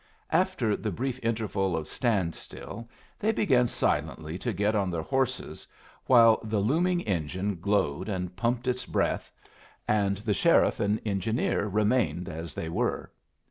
After the brief interval of stand still they began silently to get on their horses, while the looming engine glowed and pumped its breath, and the sheriff and engineer remained as they were.